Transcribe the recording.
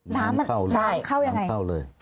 น้ำมันเข้ายังไง